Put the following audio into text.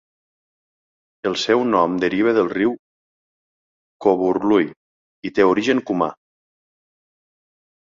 El seu nom deriva del riu Covurlui i té origen cumà.